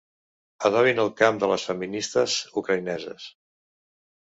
Adobin el camp de les feministes ucraïneses.